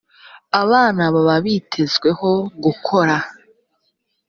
abana baba bitezweho gukora